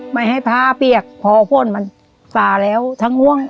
ไม่ให้ผ้าเปียกพอพ่นมันฝ่าแล้วทั้งง่วง